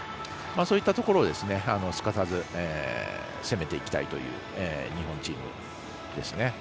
そういったところをすかさず攻めていきたいという日本チームですね。